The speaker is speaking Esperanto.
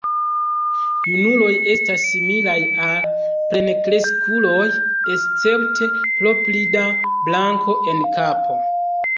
Junuloj estas similaj al plenkreskuloj escepte pro pli da blanko en kapo.